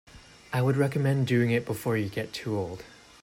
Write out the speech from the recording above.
I would recommend doing it before you get too old.